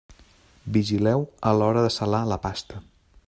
Vigileu a l'hora de salar la pasta.